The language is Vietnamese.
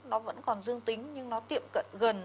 nó vẫn còn dương tính nhưng nó tiệm cận gần